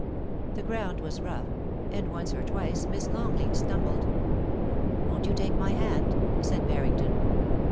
The ground was rough, and once or twice Miss Longleat stumbled. ' Won't you take my hand ?* said Barrington.